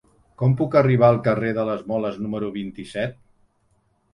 Com puc arribar al carrer de les Moles número vint-i-set?